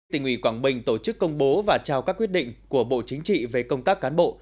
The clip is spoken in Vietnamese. tỉnh ủy quảng bình tổ chức công bố và trao các quyết định của bộ chính trị về công tác cán bộ